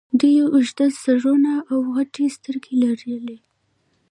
دوی اوږده سرونه او غټې سترګې لرلې